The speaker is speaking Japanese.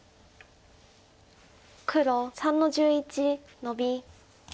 黒３の十一ノビ。